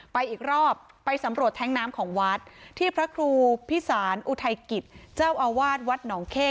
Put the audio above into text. อีกรอบไปสำรวจแท้งน้ำของวัดที่พระครูพิสารอุทัยกิจเจ้าอาวาสวัดหนองเข้